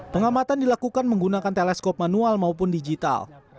pengamatan dilakukan menggunakan teleskop manual maupun digital